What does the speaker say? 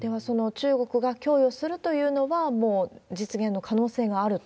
中国が供与するというのは、もう実現の可能性があると？